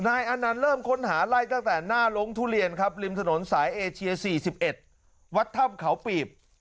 อันนั้นเริ่มค้นหาไล่ตั้งแต่หน้าลงทุเรียนครับริมถนนสายเอเชีย๔๑วัดถ้ำเขาปีบ